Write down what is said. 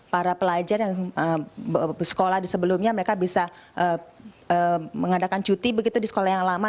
para pelajar yang bersekolah di sebelumnya mereka bisa mengadakan cuti begitu di sekolah yang lama